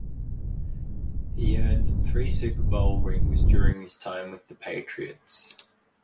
He earned three Super Bowl rings during his time with the Patriots.